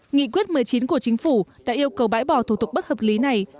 nghị quyết một mươi chín của chính phủ đã yêu cầu bãi bỏ thủ tục bất hợp lý này